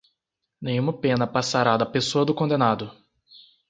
nenhuma pena passará da pessoa do condenado